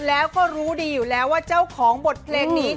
แล้วก็รู้ดีอยู่แล้วว่าเจ้าของบทเพลงนี้